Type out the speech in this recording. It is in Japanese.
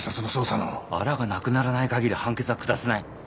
あらがなくならないかぎり判決は下せない。